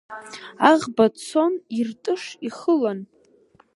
Аӷба цон иртыш ихылан…